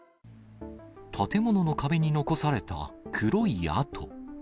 建物の壁に残された黒い跡。